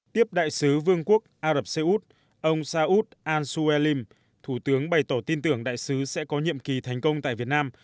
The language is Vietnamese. tiếp đại sứ vương quốc ả rập xê út ông saud al suallim thủ tướng bày tỏ tin tưởng đại sứ sẽ có nhiệm kỳ thành công tại việt nam